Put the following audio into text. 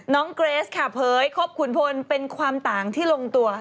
น้องเกรสขาเพย์ครบขุนพลเป็นความต่างที่ลงตัว